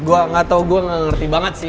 gue gak tau gue ngerti banget sih